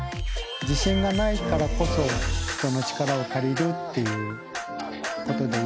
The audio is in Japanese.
自信がないからこそ人の力を借りるっていうことでいいのかな。